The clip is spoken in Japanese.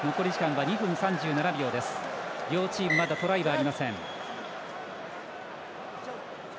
両チーム、まだトライはありません。